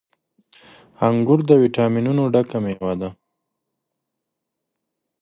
• انګور له ويټامينونو ډک مېوه ده.